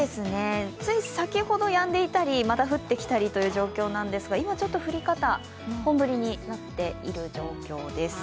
つい先ほど、やんでいたりまた降ってきたりという状況ですが今ちょっと降り方本降りになっている状況です。